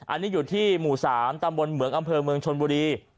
อันนี้อยู่ที่หมู่๓ตำบลเหมืองอำเภอเมืองชนบุรี